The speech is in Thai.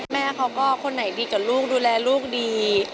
แม่เขาก็คนไหนดีกับลูกดูแลลูกดี